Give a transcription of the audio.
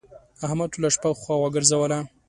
احمد ټوله شپه خوا وګرځوله.